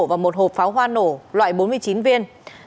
và một hộp pháo hoa nổ loại bốn mươi chín viên